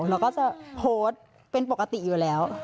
เราก็จะโพสต์เป็นปกติอยู่แล้ว